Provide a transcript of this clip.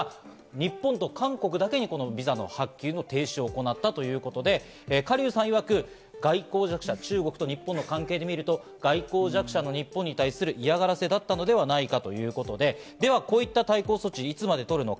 アメリカやＥＵなども同じように水際対策をしているんですが、日本と韓国だけにビザの発給の停止を行ったということでカ・リュウさんいわく、外交弱者、中国と日本の関係で見ると、外交弱者の日本に対する嫌がらせだったのではないかということで、こういった対抗措置、いつまで取るのか。